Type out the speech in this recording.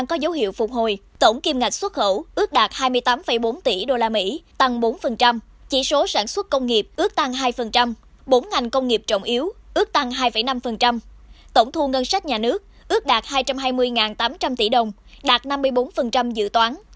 chỉ số sản xuất công nghiệp ước tăng hai bổng ngành công nghiệp trọng yếu ước tăng hai năm tổng thu ngân sách nhà nước ước đạt hai trăm hai mươi tám trăm linh tỷ đồng đạt năm mươi bốn dự toán